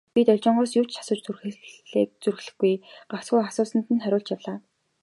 Би Должингоос юу ч асууж зүрхлэхгүй, гагцхүү асуусанд нь хариулж явлаа.